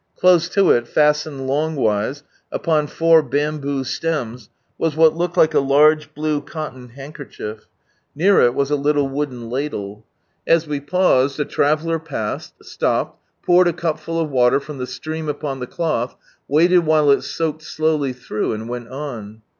Close to it, fastened longwise, upon four bamboo stems, was what looked like a large blue cotton handkerchief. Near it was a little wooden ladle. As we paused a traveller passed, stopped, poured a cupful of water from the stream upon the cloth, waited while it soaked slowly through, and went on.